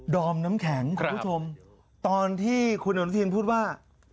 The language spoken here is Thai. อมน้ำแข็งคุณผู้ชมตอนที่คุณอนุทินพูดว่า